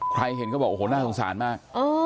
ใครเห็นก็บอกโอ้โหน่าสงสารมาก